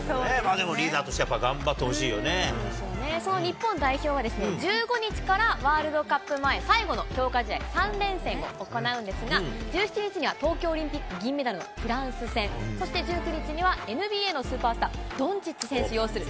でもリーダーとしてやっぱり頑張その日本代表は、１５日から、ワールドカップ前最後の強化試合３連戦が行うんですが、１７日には東京オリンピック銀メダルのフランス戦、そして１９日にはＮＢＡのスーパースター、ドンチッチ選手擁する